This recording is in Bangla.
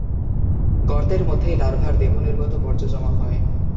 গর্তের মধ্যেই লার্ভার দেহনির্গত বর্জ্য জমা হয়।